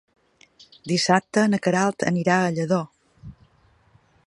Dissabte na Queralt anirà a Lladó.